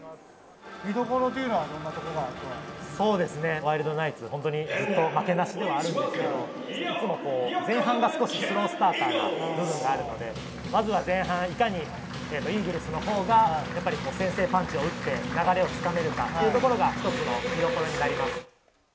見どころというのはどんなとそうですね、ワイルドナイツ、本当にずっと負けなしではあるんですけども、いつも前半が少しスロースターターな部分があるので、まずは前半、いかにイーグルスのほうが、やっぱり先制パンチを打って、流れをつかめるかというところが一つの見どころになります。